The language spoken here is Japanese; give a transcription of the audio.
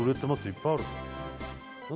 いっぱいあるな